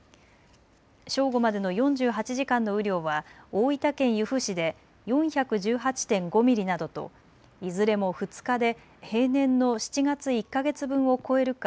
正午までの４８時間の雨量は大分県由布市で４１８．５ミリなどといずれも２日で平年の７月１か月分を超えるか